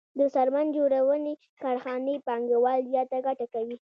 د څرمن جوړونې کارخانې پانګوال زیاته ګټه کوي